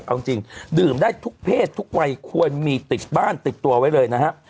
เอาจริงดื่มได้ทุกเพศทุกวัยควรมีติดบ้านติดตัวไว้เลยนะครับ